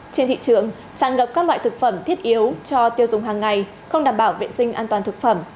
trên thị trường tràn ngập các loại thực phẩm thiết yếu cho tiêu dùng hàng ngày không đảm bảo vệ sinh an toàn thực phẩm